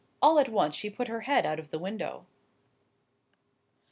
All at once she put her head out of the window.